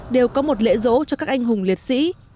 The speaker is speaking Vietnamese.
đều có một lễ rỗ cho các anh hùng liệt sĩ